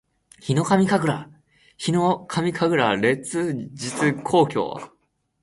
ヒノカミ神楽烈日紅鏡（ひのかみかぐられつじつこうきょう）